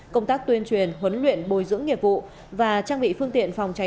công tác tuyên truyền huấn luyện bồi dưỡng nghiệp vụ và trang bị phương tiện phòng cháy